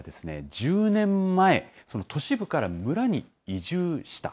１０年前、都市部から村に移住した。